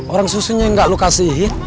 orang susunya yang gak lu kasihi